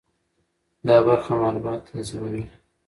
دا برخه معلومات تنظیموي.